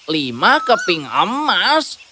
lima keping emas